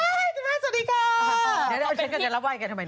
เดี๋ยวเอาเป็นกันจะรับไหว้กันทำไม